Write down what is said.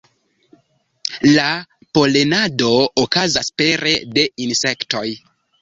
La polenado okazas pere de insektoj.